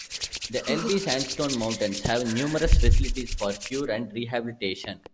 The Elbe Sandstone Mountains have numerous facilities for cure and rehabilitation.